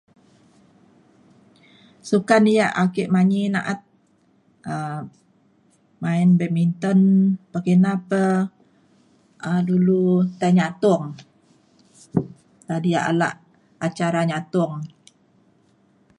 Sukan yak ake manyi na’at um main badminton pekina pe um dulu tai nyatung da diak alak acara nyatung